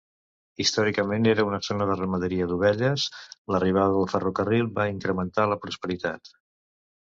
Històricament era una zona de ramaderia d'ovelles, l'arribada del ferrocarril va incrementar la prosperitat.